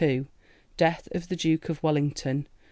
Death of the Duke of Wellington.